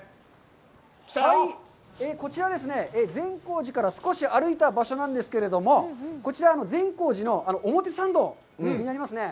こちらですね、善光寺から少し歩いた場所なんですけれども、こちら、善光寺の表参道になります。